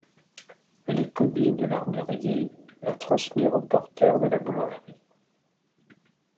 Les commis de l'armurier la transmirent aux porteurs de la boulangerie.